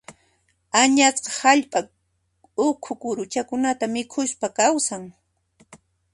Añasqa hallp'a ukhu kuruchakunata mikhuspa kawsan.